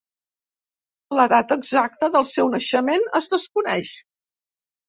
La data exacta del seu naixement es desconeix.